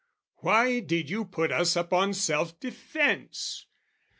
"Why did you put us upon self defence?